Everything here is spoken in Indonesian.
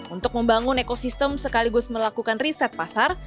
untuk membangun ekosistem sekaligus melakukan riset pasar